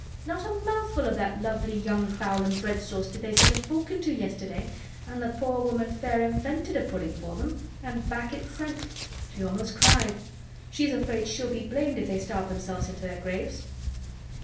Not a mouthful of that lovely young fowl and bread sauce did they set a fork into yesterday—and the poor woman fair invented a pudding for them—and back it's sent. She almost cried. She's afraid she'll be blamed if they starve themselves into their graves."